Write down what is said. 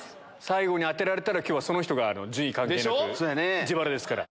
最後に当てられたらその人が順位関係なく自腹ですから。